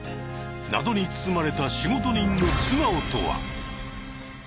謎に包まれた仕事人の素顔とは？